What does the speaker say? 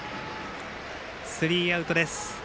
スリーアウトです。